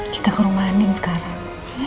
kita ke rumah endin sekarang